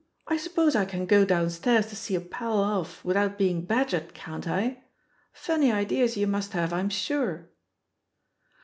I suppose I can go downstairs to see a pal off without being badgered, can't I ? Funny ideas you must have, I'm sure!"